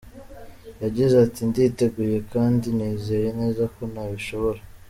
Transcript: Yagize Ati “Nditeguye kandi nizeye neza ko nabishobora.